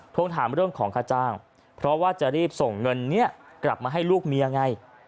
ทวงถามเรื่องของค่าจ้างเพราะว่าจะรีบส่งเงินนี้กลับมาให้ลูกเมียไง